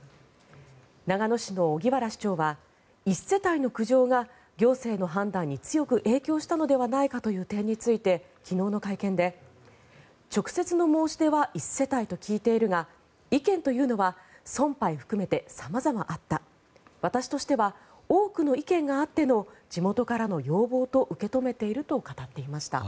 長野市の荻原市長は１世帯の苦情が行政の判断に強く影響したのではないかという点について昨日の会見で直接の申し出は１世帯と聞いているが意見というのは存廃含めて様々あった私としては多くの意見があっての地元からの要望と受け止めていると語っていました。